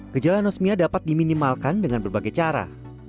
gejala anosmia dapat diminimalkan dengan berbagai cara